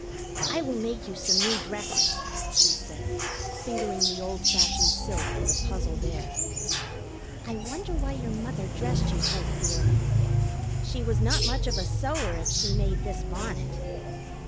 "I will make you some new dresses," she said, fingering the old fashioned silk with a puzzled air. "I wonder why your mother dressed you so queerly? She was not much of a sewer if she made this bonnet!"